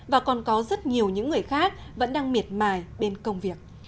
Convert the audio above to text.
và còn có rất nhiều những người khác vẫn đang miệt mài bên công việc